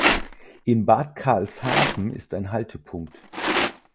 In Bad Karlshafen ist ein Haltepunkt.